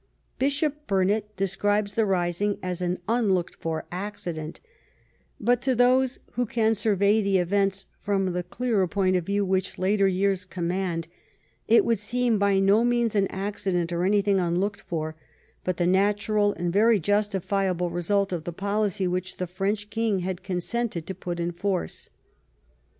Bishop Burnet describes the rising as an '• unlooked for accident," but to those who can survey the events from the clearer point of view which later years command, it would seem by no means an accident or anything unlooked for, but the natural and very justifiable result of the policy which the French King had consented to put in force.